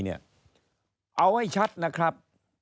เอาให้ชัดนะครับ